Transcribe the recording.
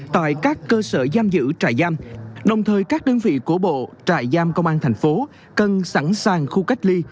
tại các cơ sở giam giữ trại giam đồng thời các đơn vị của bộ trại giam công an thành phố cần sẵn sàng khu cách ly